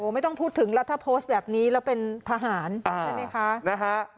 ไม่ต้องพูดถึงแล้วถ้าโพสต์แบบนี้แล้วเป็นทหารใช่ไหมคะ